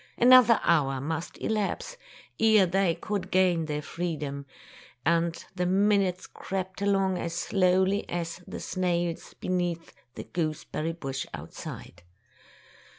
An other hour must elapse ere they could gain their freedom, and the minutes crept along as slowly as the snails beneath the goose berry bush outside.